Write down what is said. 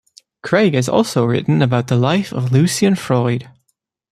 Greig has also written about the life of Lucian Freud.